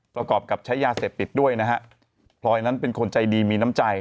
ประกอบกับใช้ยาเสพติดด้วยนะฮะพลอยนั้นเป็นคนใจดีมีน้ำใจ